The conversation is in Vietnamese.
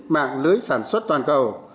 mạng lưới sản xuất toàn cầu